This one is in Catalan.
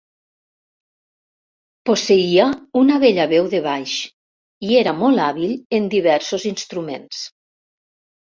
Posseïa una bella veu de baix i era molt hàbil en diversos instruments.